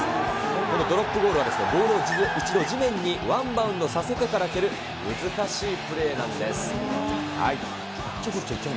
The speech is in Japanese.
このドロップゴールは、ボールを一度地面にワンバウンドさせてから蹴る難しいプレーなんです。